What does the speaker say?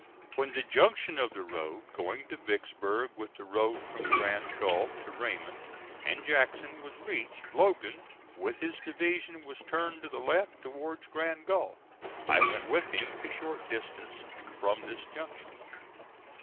When the junction of the road going to Vicksburg with the road from Grand Gulf to Raymond and Jackson was reached, Logan with his division was turned to the left towards Grand Gulf. I went with him a short distance from this junction.